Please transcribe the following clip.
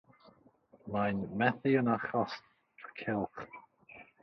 Mae'n methu yn achos y cylch.